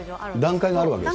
段階があるわけですね。